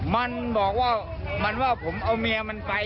มันบอกว่ามันว่าผมเอาเมียมันไป